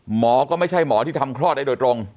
หมอก็ไม่ใช่หมอที่ทำคลอดได้โดยตรง